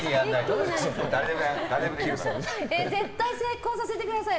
絶対成功させてください。